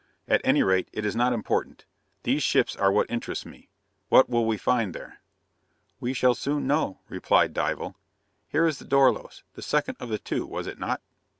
"At any rate, it is not important. These ships are what interest me. What will we find there?" "We shall soon know," replied Dival. "Here is the Dorlos; the second of the two, was it not?"